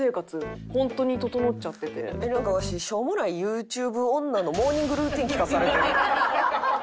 なんかワシしょうもないユーチューブ女のモーニングルーティーン聞かされてる？